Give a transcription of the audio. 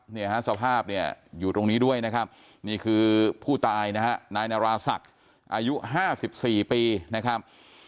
เนี่ยฮะสภาพเนี่ยอยู่ตรงนี้ด้วยนะครับนี่คือผู้ตายนะฮะนายนาราศักดิ์อายุ๕๔ปีนะครับ